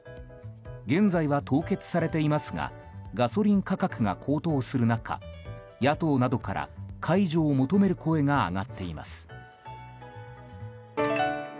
現在は凍結されていますがガソリン価格が高騰する中野党などから解除を求める声が上がっています。